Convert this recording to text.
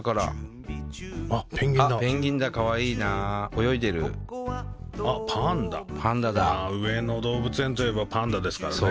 準備中準備中上野動物園といえばパンダですからね。